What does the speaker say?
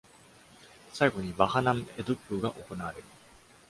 最後に、Vahanam eduppu が行われる。